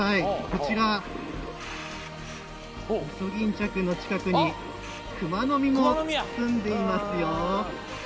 こちら、イソギンチャクの近くにクマノミもすんでいますよ。